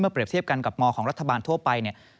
เมื่อเปรียบเทียบกันกับมของรัฐบาลทั่วไป